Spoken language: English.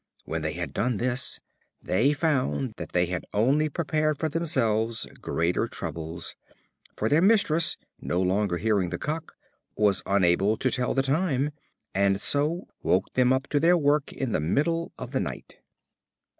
When they had done this, they found that they had only prepared for themselves greater troubles, for their mistress, no longer hearing the cock, was unable to tell the time, and so, woke them up to their work in the middle of the night.